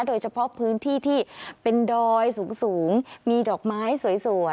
โดยเฉพาะพื้นที่ที่เป็นดอยสูงมีดอกไม้สวย